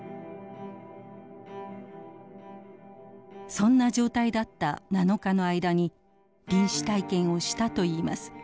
そんな状態だった７日の間に臨死体験をしたといいます。